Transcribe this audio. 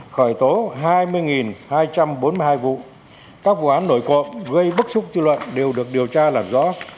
khởi tố hai mươi hai trăm bốn mươi hai vụ các vụ án nổi cộng gây bức xúc dư luận đều được điều tra làm rõ